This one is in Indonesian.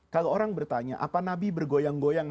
kalau orang bertanya apa nabi bergoyang goyang